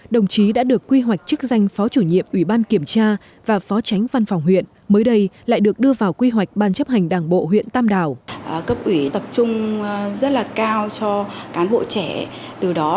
đồng chí đã được quy hoạch chức danh phó chủ nhiệm ủy ban kiểm tra và phó tránh văn phòng huyện mới đây lại được đưa vào quy hoạch ban chấp hành đảng bộ huyện tam đảo